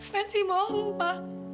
mersi mohon pa